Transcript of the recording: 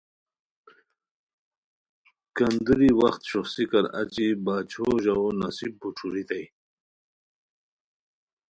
کندوری وخت شوخڅیکار اچی باچھو ژاوؤ نصیب بوچھوریتائے